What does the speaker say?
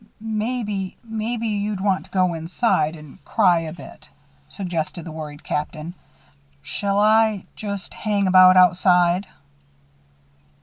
"Maybe maybe you'd want to go inside and cry a bit," suggested the worried Captain. "Shall I just hang about outside?"